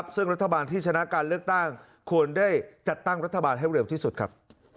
ซึ่งรัฐบาลที่ชนะการเลือกตั้งควรได้จัดตั้งรัฐบาลให้เร็วที่สุดครับ